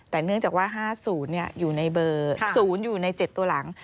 แต่เนื่องจากว่า๕๐อยู่ในเบอร์๐อยู่ใน๗ตัวหลัง